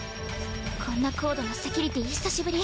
こんな高度なセキュリティー久しぶり。